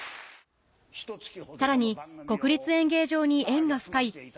さらに国立演芸場に縁が深い